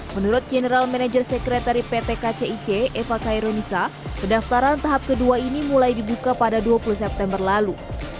menurut general manager sekretari pt kcic eva kairunisa pendaftaran tahap kedua ini mulai dibuka pada dua puluh september lalu